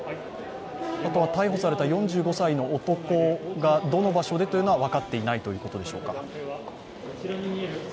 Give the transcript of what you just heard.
逮捕された４５歳の男がどの場所でというのは分かっていないということでしょうか。